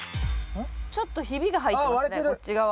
ちょっとひびが入ってますねこっち側。